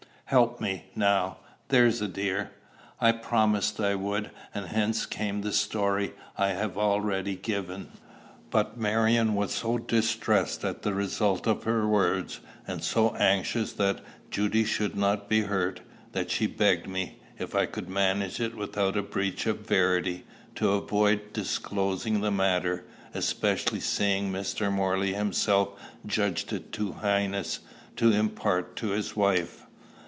Help me, now there's a dear!" I promised I would, and hence came the story I have already given. But Marion was so distressed at the result of her words, and so anxious that Judy should not be hurt, that she begged me, if I could manage it without a breach of verity, to avoid disclosing the matter; especially seeing Mr. Morley himself judged it too heinous to impart to his wife.